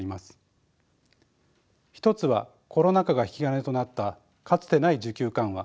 一つはコロナ禍が引き金となったかつてない需給緩和